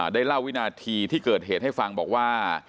ได้เล่าวินาทีที่เกิดเหตุให้ฟังบอกว่า